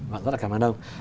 vâng rất là cảm ơn ông